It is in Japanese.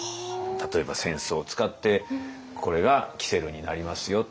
例えば扇子を使ってこれが煙管になりますよっていう。